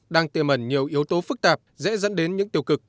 đang tiềm ẩn nhiều yếu tố phức tạp dễ dẫn đến những tiêu cực